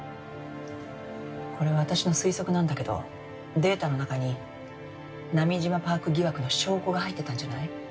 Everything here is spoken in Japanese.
これは私の推測なんだけどデータの中に波島パーク疑惑の証拠が入ってたんじゃない？